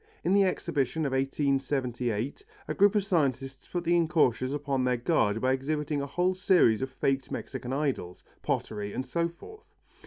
In the Exhibition of 1878, a group of scientists put the incautious upon their guard by exhibiting a whole series of faked Mexican idols, pottery and so forth.